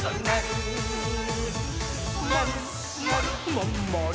まんまる。